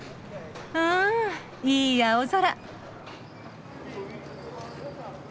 うんいい青空。